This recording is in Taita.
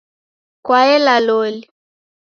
Kwaela loli